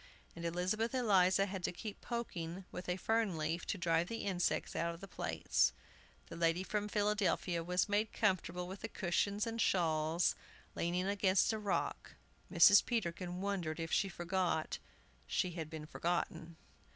And Elizabeth Eliza had to keep poking with a fern leaf to drive the insects out of the plates. The lady from Philadelphia was made comfortable with the cushions and shawls, leaning against a rock. Mrs. Peterkin wondered if she forgot she had been forgotten.